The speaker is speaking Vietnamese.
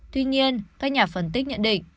tuy nhiên các nhà phân tích nhận định